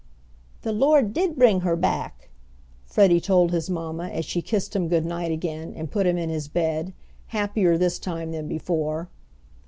"The Lord did bring her back," Freddie told his mamma as she kissed him good night again and put him in his bed, happier this time than before.